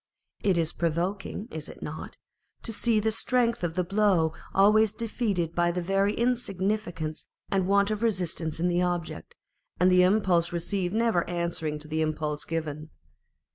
It is provoking (is it not ?) to see the strength of the blow always defeated by the very insignificance and want of resistance in the object, and the impulse received never answering to the impulse given.